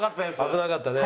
危なかったね。